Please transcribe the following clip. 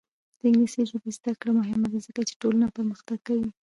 د انګلیسي ژبې زده کړه مهمه ده ځکه چې ټولنه پرمختګ کوي.